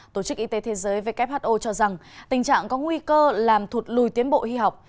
tổ chức y tế thế giới who cho rằng tình trạng có nguy cơ làm thụt lùi tiến bộ y học